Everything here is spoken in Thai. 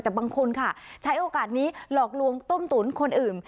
แต่บางคนค่ะใช้โอกาสนี้หลอกลวงต้มตุ๋นคนอื่น